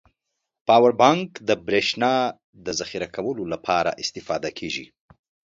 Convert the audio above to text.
پاور بانک د بريښنا د زخيره کولو لپاره استفاده کیږی.